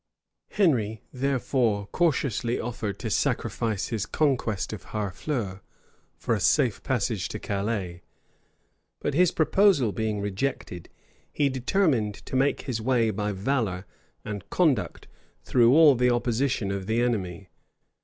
Henry, therefore, cautiously offered to sacrifice his conquest of Harfleur for a safe passage to Calais; but his proposal being rejected, he determined to make his way by valor and conduct through all the opposition of the enemy.